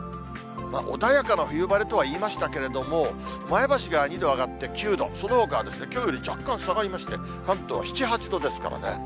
穏やかな冬晴れとは言いましたけれども、前橋が２度上がって９度、そのほかはきょうより若干下がりまして、関東は７、８度ですからね。